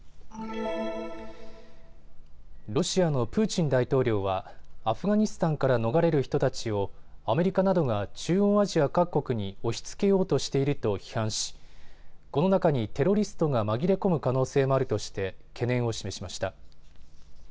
ロシアのプーチン大統領はアフガニスタンから逃れる人たちをアメリカなどが中央アジア各国に押しつけようとしていると批判しこの中にテロリストが紛れ込む可能性もあるとして懸念を示しました。